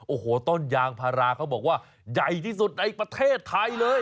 โอ้โหต้นยางพาราเขาบอกว่าใหญ่ที่สุดในประเทศไทยเลย